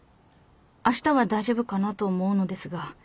明日は大丈夫かなと思うのですが。